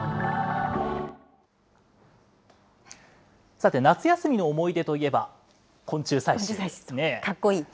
さて、夏休みの思い出といえば、かっこいい。